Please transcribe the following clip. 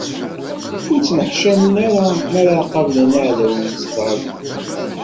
Ur ttneḥcamen ara mi ara qablen iɛdawen-nsen ɣer tewwurt.